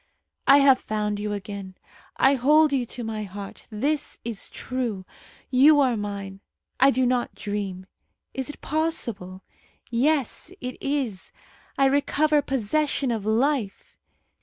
"I have found you again. I hold you to my heart. This is true. You are mine. I do not dream. Is it possible? Yes, it is. I recover possession of life.